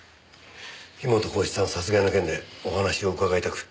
樋本晃一さん殺害の件でお話を伺いたく。